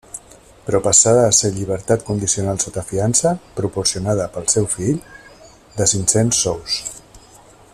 Però passà a ser llibertat condicional sota fiança —proporcionada pel seu fill— de cinc-cents sous.